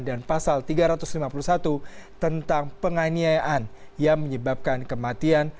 dan pasal tiga ratus lima puluh satu tentang penganiaan yang menyebabkan kematian